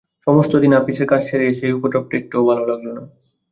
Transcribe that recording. সমস্ত দিন আপিসের কাজ সেরে এসে এই উপদ্রবটা একটুও ভালো লাগল না।